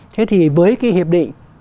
thế thì với cái hiệp định